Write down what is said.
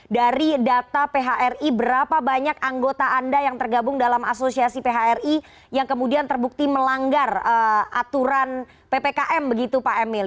dari data phri berapa banyak anggota anda yang tergabung dalam asosiasi phri yang kemudian terbukti melanggar aturan ppkm begitu pak emil